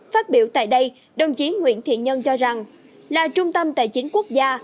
phát biểu tại đây đồng chí nguyễn thiện nhân cho rằng là trung tâm tài chính quốc gia